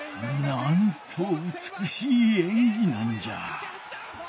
なんとうつくしいえんぎなんじゃ。